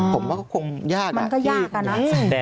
ผมว่าก็คงยากนะมันก็ยากอะนะ